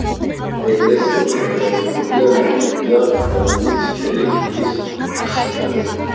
ეკლესია დარბაზულია, ნაგებია აგურით სქელი კირის ხსნარზე.